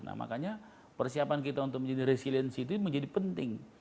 nah makanya persiapan kita untuk menjadi resiliensi itu menjadi penting